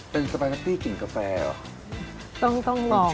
เป็นสปาเกตตี้กลิ่นกาแฟเหรอ